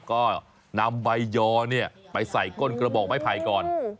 ก็นำใบยอไปใส่ก้นกระบอกไม้ไผ่ก่อน